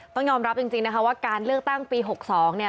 ต้องยอมรับจริงนะคะว่าการเลือกตั้งปี๖๒เนี่ย